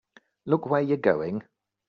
Look where you're going!